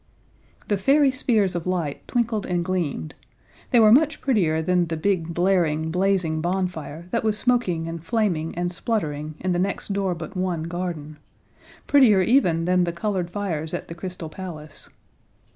The fairy spears of light twinkled and gleamed: They were much prettier than the big, blaring, blazing bonfire that was smoking and flaming and spluttering in the next door but one garden prettier even than the colored fires at the Crystal Palace.